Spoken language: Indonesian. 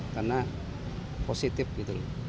karena positif gitu